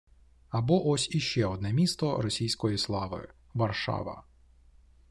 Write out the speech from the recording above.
Або ось іще одне «місто російської слави» – Варшава!